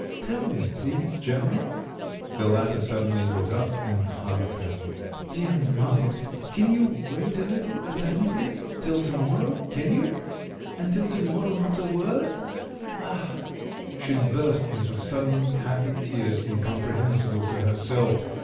"Tell me, please, Gemma…" The latter suddenly got up and hugged her. "Dear mamma, can you wait a little, a tiny bit … till to morrow? Can you? And till to morrow not a word?… Ah!…" She burst into sudden happy tears, incomprehensible to herself.